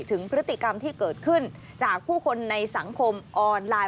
ถึงพฤติกรรมที่เกิดขึ้นจากผู้คนในสังคมออนไลน์